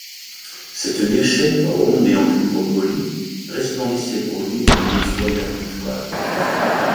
Cette gâchette, ronde et en cuivre poli, resplendissait pour lui comme une effroyable étoile.